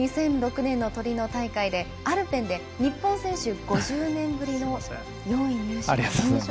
２００６年のトリノ大会でアルペンで日本選手、５０年ぶりの４位入賞。